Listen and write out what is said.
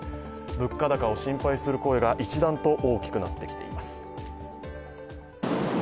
物価高を心配する声が一段と大きくなってきています。